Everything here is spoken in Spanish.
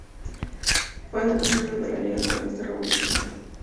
Fue además miembro de la Liga Comunista Revolucionaria.